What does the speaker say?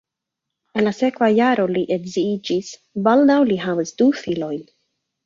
En la sekva jaro li edziĝis, baldaŭ li havis du filojn.